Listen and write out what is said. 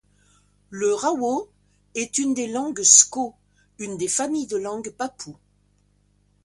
Le rawo est une des langues sko, une des familles de langues papoues.